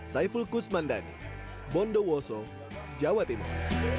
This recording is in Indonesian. saya fulkus mandani bondo woso jawa timur